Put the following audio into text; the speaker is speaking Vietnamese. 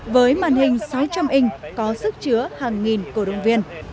với màn hình sáu trăm linh inh có sức chứa hàng nghìn cầu động viên